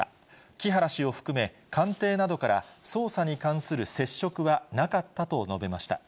木原氏を含め、官邸などから捜査に関する接触はなかったと述べました。